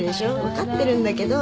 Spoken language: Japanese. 分かってるんだけど。